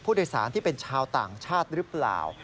ที่เป็นชาวต่างชาติหรือเปล่า